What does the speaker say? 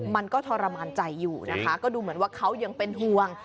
มันก็ทรมานใจอยู่นะคะก็ดูเหมือนว่าเขายังเป็นห่วง